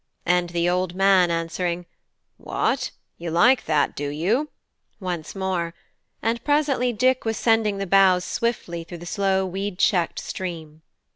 and the old man answering "What! you like that, do you?" once more; and presently Dick was sending the bows swiftly through the slow weed checked stream.